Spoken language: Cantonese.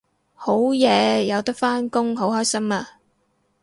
好嘢有得返工好開心啊！